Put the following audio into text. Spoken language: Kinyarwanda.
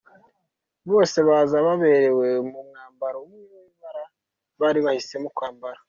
Bose baza baberewe mu mwambaro umwe w’ibara bari bahisemo kwambara.